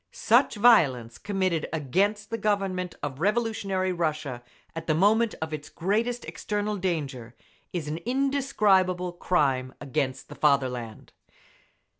Such violence committed against the Government of revolutionary Russia at the moment of its greatest external danger, is an indescribable crime against the fatherland.